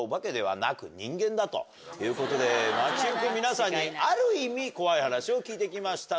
ということで街行く皆さんに「ある意味怖い話」を聞いて来ました。